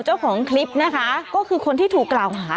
เจ้าของคลิปนะคะก็คือคนที่ถูกกล่าวหา